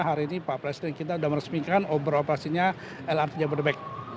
hari ini pak presiden kita sudah meresmikan beroperasinya lrt jabodebek